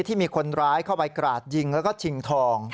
ที่มีคนร้ายเข้าไปกราดยิงแล้วก็ชิงทอง